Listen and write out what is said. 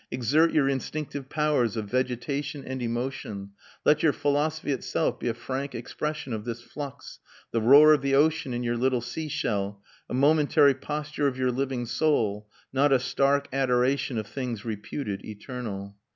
Exert your instinctive powers of vegetation and emotion; let your philosophy itself be a frank expression of this flux, the roar of the ocean in your little sea shell, a momentary posture of your living soul, not a stark adoration of things reputed eternal.